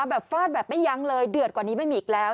ฟาดแบบไม่ยั้งเลยเดือดกว่านี้ไม่มีอีกแล้ว